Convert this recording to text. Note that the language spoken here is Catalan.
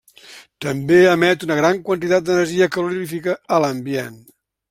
També emet una gran quantitat d'energia calorífica a l'ambient.